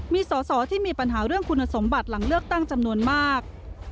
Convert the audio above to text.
มีสอสอที่มีปัญหาเรื่องคุณสมบัติหลังเลือกตั้งจำนวนมาก